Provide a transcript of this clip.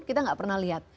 kita nggak pernah lihat